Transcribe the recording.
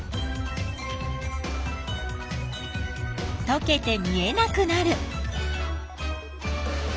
とけて見えなくなる。